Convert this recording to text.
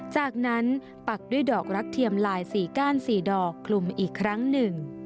จากนั้นปักด้วยดอกรักเทียมลาย๔ก้าน๔ดอกคลุมอีกครั้งหนึ่ง